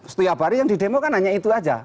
setiap hari yang didemo kan hanya itu saja